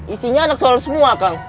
isinya anak soal semua kang